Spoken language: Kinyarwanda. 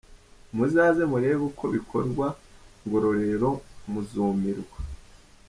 Muzaze murebe uko bikorwa ngororero muzumirwa.